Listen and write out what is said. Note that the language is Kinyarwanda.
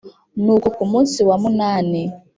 Nuko ku munsi wa munani